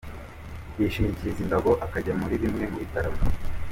Yinshingikiriza imbago akajya muri bimwe mu bitaramo.